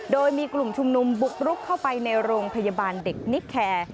โดยมีกลุ่มชุมนุมบุกรุกเข้าไปในโรงพยาบาลเด็กนิแคร์